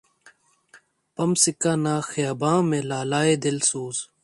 پنپ سکا نہ خیاباں میں لالۂ دل سوز